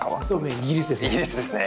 イギリスですね。